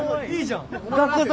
いいじゃん。